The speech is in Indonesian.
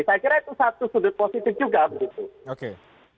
saya kira itu satu sudut positif juga begitu